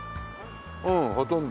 うんほとんど。